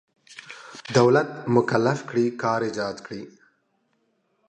دولت مکلف کړی کار ایجاد کړي.